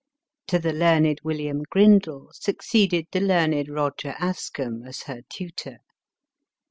To the learned William Grindal succeeded the learned Eoger Ascham, as her tutor.